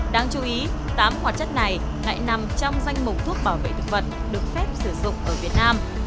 đáng chú ý tám hoạt chất này lại nằm trong danh mục thuốc bảo vệ thực vật được phép sử dụng ở việt nam